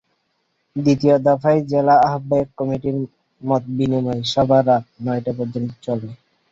দ্বিতীয় দফায় জেলা আহ্বায়ক কমিটির মতবিনিময় সভা রাত নয়টা পর্যন্ত চলে।